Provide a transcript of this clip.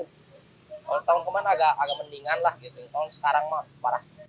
tahun kemarin agak mendingan lah tahun sekarang mah parah